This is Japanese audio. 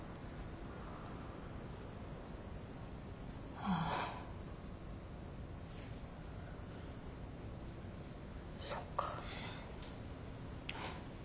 ああそっか。